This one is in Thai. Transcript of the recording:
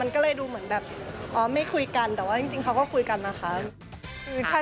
ก็เลยดูเหมือนแบบอ๋อไม่คุยกันแต่ว่าจริงเขาก็คุยกันนะคะ